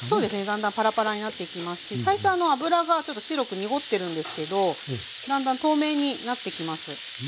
だんだんパラパラになっていきますし最初油がちょっと白く濁ってるんですけどだんだん透明になってきます。